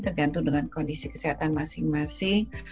tergantung dengan kondisi kesehatan masing masing